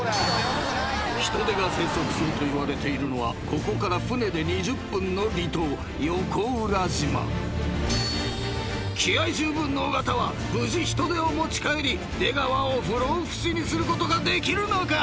［ヒトデが生息するといわれているのはここから船で２０分の離島横浦島］［気合十分の尾形は無事ヒトデを持ち帰り出川を不老不死にすることができるのか？